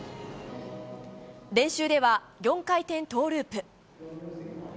練習では、４回転トーループ。